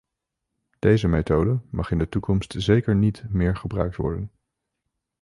Deze methode mag in de toekomst zeker niet meer gebruikt worden.